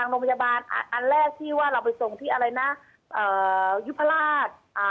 ตรงโรงพยาบาลอันแรกที่ว่าเราไปส่งที่ยุภาราช